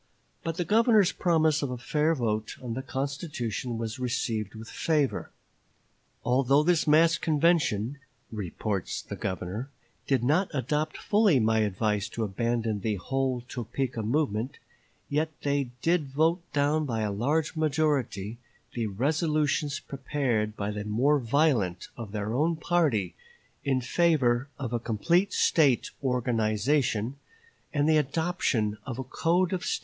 But the Governor's promise of a fair vote on the constitution was received with favor. "Although this mass convention," reports the Governor, "did not adopt fully my advice to abandon the whole Topeka movement, yet they did vote down by a large majority the resolutions prepared by the more violent of their own party in favor of a complete State organization and the adoption of a code of State laws."